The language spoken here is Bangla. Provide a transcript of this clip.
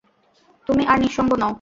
তুমি আর নিসঙ্গ নও।